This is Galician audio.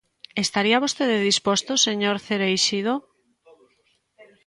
¿Estaría vostede disposto, señor Cereixido?